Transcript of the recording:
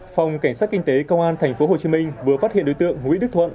phòng cảnh sát kinh tế công an tp hcm vừa phát hiện đối tượng nguyễn đức thuận